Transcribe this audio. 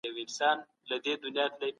ملکیت د فطري غریزو څخه دی.